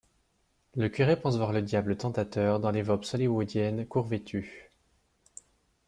Le curé pense voir le Diable tentateur dans les vamps hollywodiennes court vêtues.